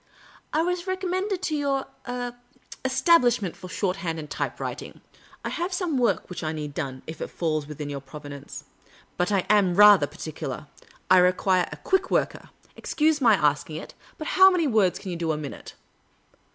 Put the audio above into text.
" I was recommended to your — ur — your establishment for shorthand and typewriting. I have some work which I wish done, if it falls within your province. But I am rather particular. I require a quick worker. Excuse my asking it, but how many words can you do a minute